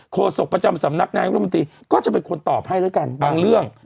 โศกประจำสำนักนายกรมนตรีก็จะเป็นคนตอบให้แล้วกันบางเรื่อง